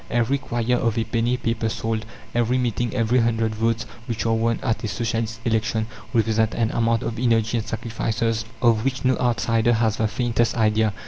Every quire of a penny paper sold, every meeting, every hundred votes which are won at a Socialist election, represent an amount of energy and sacrifices of which no outsider has the faintest idea.